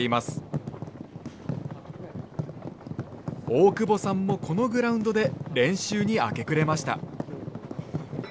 大久保さんもこのグラウンドで練習に明け暮れました。